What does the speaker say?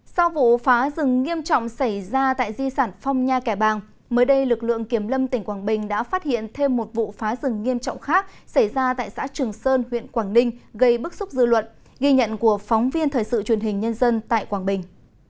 sau vụ phá rừng nghiêm trọng xảy ra tại di sản phong nha kẻ bàng mới đây lực lượng kiểm lâm tỉnh quảng bình đã phát hiện thêm một vụ phá rừng nghiêm trọng khác xảy ra tại xã trường sơn huyện quảng ninh gây bức xúc dư luận ghi nhận của phóng viên thời sự truyền hình nhân dân tại quảng bình